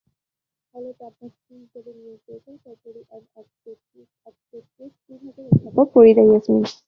হলের প্রাধ্যক্ষ হিসেবে নিয়োগ পেয়েছেন সার্জারি অ্যান্ড অবস্টেট্রিক্স বিভাগের অধ্যাপক ফরিদা ইয়াসমীন।